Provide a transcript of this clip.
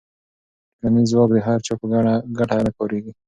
ټولنیز ځواک د هر چا په ګټه نه کارېږي.